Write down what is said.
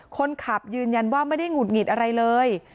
คนขับยืนยันว่าไม่ได้หงุดหงิดอะไรเลย